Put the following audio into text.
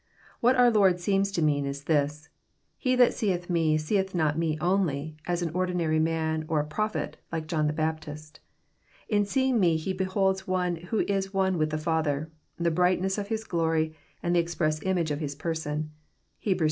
What our Lord seems to mean is this :He that seeth Me seeth not Me only, as an ordinary man or a Prophet, like John the Baptist. In seeing Me he beholds one who is one with the Father, the brightness of His glory, and the express image of His Person." (Heb. i.